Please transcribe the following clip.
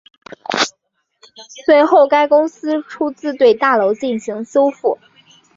随后该公司出资对大楼进行修复。